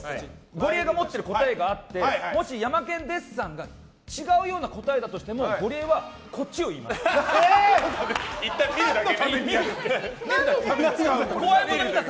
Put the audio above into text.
ゴリエが思ってる答えがあってもし、ヤマケン・デッサンが違うような答えだとしてもえー！何のために使うの？